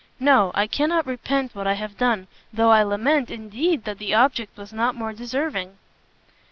No, I cannot repent what I have done, though I lament, indeed, that the object was not more deserving."